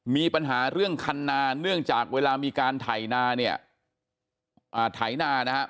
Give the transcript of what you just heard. มีปัญหาเรื่องคันนาเนื่องจากเวลามีการถ่ายหน้าเนี่ยถ่ายหน้านะฮะ